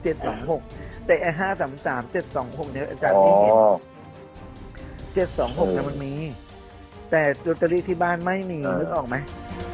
แต่ไอ้๕๓๓๗๒๖เนี่ยอาจารย์ไม่เห็น๗๒๖มันมีแต่ลอตเตอรี่ที่บ้านไม่มีนึกออกไหม